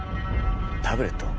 タブレット？